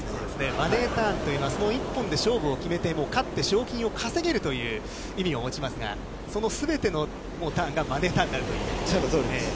マネーターンというのは、その１本で勝負を決めて、勝って賞金をかせげるという意味を持ちますが、そのすべてのターンがマネーターンになるということですね。